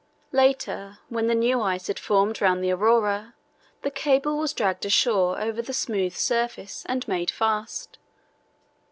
Later, when the new ice had formed round the Aurora, the cable was dragged ashore over the smooth surface and made fast.